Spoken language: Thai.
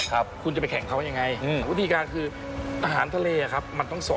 ครับคุณจะไปแข่งเขายังไงอืมวิธีการคืออาหารทะเลอ่ะครับมันต้องสด